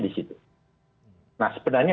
di situ nah sebenarnya